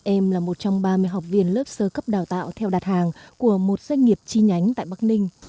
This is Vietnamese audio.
em là một trong ba mươi học viên lớp sơ cấp đào tạo theo đặt hàng của một doanh nghiệp chi nhánh tại bắc ninh